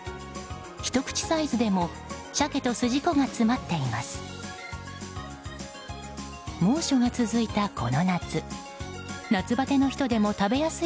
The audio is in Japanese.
ひと口サイズでもサケとすじこが詰まっています。